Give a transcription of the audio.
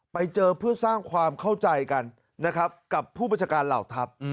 ไปเจอเพื่อสร้างความเข้าใจกันนะครับกับผู้บัญชาการเหล่าทัพ